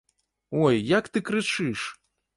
Ой, як ты крычыш!